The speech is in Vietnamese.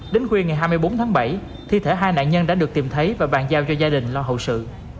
đến khuya ngày hai mươi bốn tháng bảy thi thể hai nạn nhân đã được tìm thấy và bàn giao cho gia đình lo hậu sự